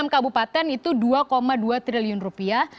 tujuh puluh enam kabupaten itu dua dua triliun rupiah